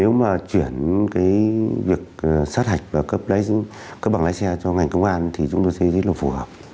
nếu mà chuyển cái việc sát hạch và cấp bằng lái xe cho ngành công an thì chúng tôi thấy rất là phù hợp